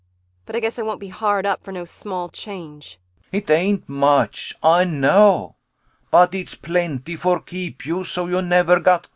But I guess I won't be hard up for no small change. CHRIS [Hurt humbly.] It ain't much, Ay know, but it's plenty for keep you so you never gat go.